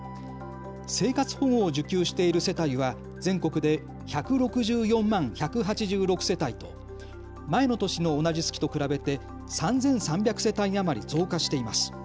生活保護を受給している世帯は全国で１６４万１８６世帯と前の年の同じ月と比べて３３００世帯余り増加しています。